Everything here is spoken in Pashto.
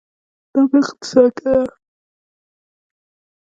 دا په اقتصاد کې ده.